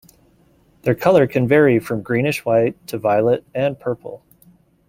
Their color can vary from greenish-white to violet and purple.